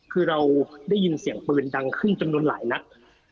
คือเราได้ยินเสียงปืนดังขึ้นจำนวนหลายนัด